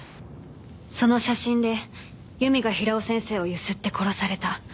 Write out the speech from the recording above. その写真で由美が平尾先生を強請って殺された。